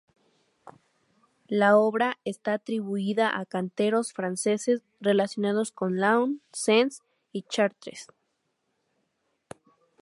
La obra está atribuida a canteros franceses, relacionados con Laon, Sens, y Chartres.